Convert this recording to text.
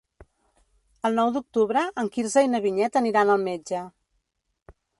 El nou d'octubre en Quirze i na Vinyet aniran al metge.